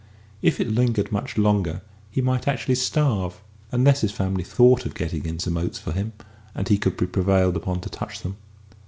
If it lingered much longer, he might actually starve, unless his family thought of getting in some oats for him, and he could be prevailed upon to touch them.